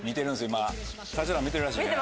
今指原も見てるらしいね。